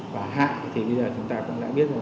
và hạn thì bây giờ chúng ta cũng đã biết rồi